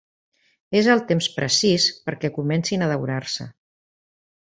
És el temps precís per a que comencen a daurar-se.